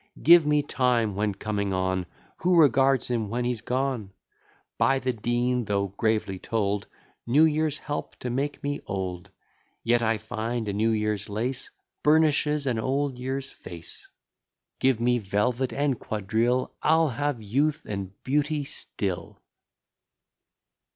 Give me time when coming on; Who regards him when he's gone? By the Dean though gravely told, New years help to make me old; Yet I find a new year's lace Burnishes an old year's face. Give me velvet and quadrille, I'll have youth and beauty still.